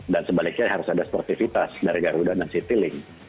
dan sebaliknya harus ada sportivitas dari garuda dan citylink